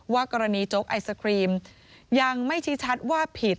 กรณีโจ๊กไอศครีมยังไม่ชี้ชัดว่าผิด